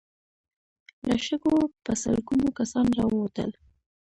له شګو په سلګونو کسان را ووتل.